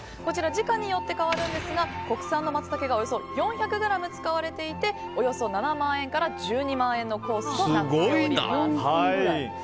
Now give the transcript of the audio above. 時価によって変わるんですが国産のマツタケがおよそ４００ｇ使われていておよそ７万円から１２万円のコースとなっています。